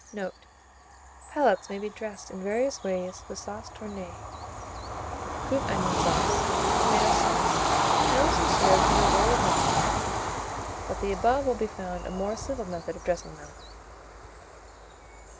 Note. Palates may be dressed in various ways with sauce tournée, good onion sauce, tomato sauce, and also served in a vol au vent; but the above will be found a more simple method of dressing them.